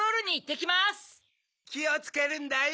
きをつけるんだよ。